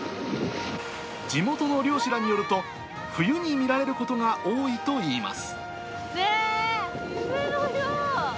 地元の漁師らによると、冬に見られることが多いといいます。